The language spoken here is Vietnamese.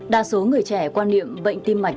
đa số người trẻ quan niệm bệnh tim mạch